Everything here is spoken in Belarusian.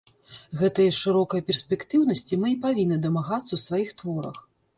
Гэтае шырокай перспектыўнасці мы і павінны дамагацца ў сваіх творах.